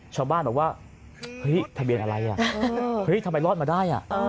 ชาวบ้านบอกว่าเฮ้ยทะเบียนอะไรอ่ะเฮ้ยทำไมรอดมาได้